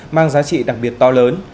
mang giá trị đặc biệt to lớn